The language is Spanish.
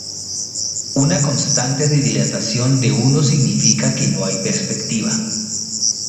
Una constante de dilatación de uno significa que no hay perspectiva.